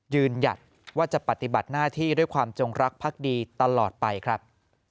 หยัดว่าจะปฏิบัติหน้าที่ด้วยความจงรักพักดีตลอดไปครับ